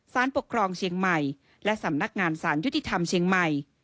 สารปกครองเชียงใหม่และสำนักงานสารยุติธรรมเชียงใหม่